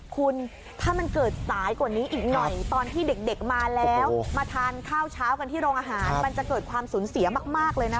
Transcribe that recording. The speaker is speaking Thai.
คุณถ้ามันเกิดสายกว่านี้อีกหน่อยตอนที่เด็กมาแล้วมาทานข้าวเช้ากันที่โรงอาหารมันจะเกิดความสูญเสียมากเลยนะคะ